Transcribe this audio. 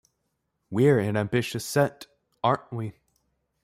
We're an ambitious set, aren't we?